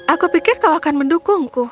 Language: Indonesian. aku pikir kau akan mendukungku